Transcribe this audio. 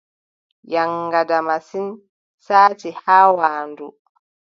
Yaŋgada masin, saati haa waandu.